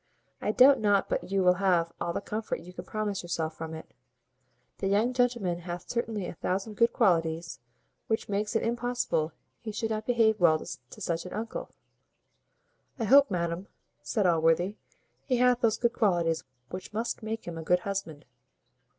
I doubt not but you will have all the comfort you can promise yourself from it. The young gentleman hath certainly a thousand good qualities, which makes it impossible he should not behave well to such an uncle." "I hope, madam," said Allworthy, "he hath those good qualities which must make him a good husband.